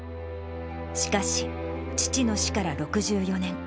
しかし、父の死から６４年。